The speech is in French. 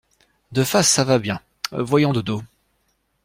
De face, ça va bien ; voyons de dos.